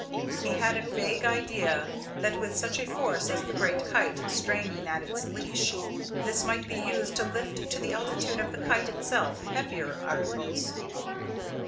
He had a vague idea that with such a force as the great kite straining at its leash, this might be used to lift to the altitude of the kite itself heavier articles.